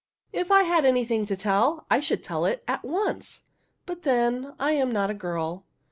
" If I had anything to tell, I should tell it at once ; but then, I am not a girl.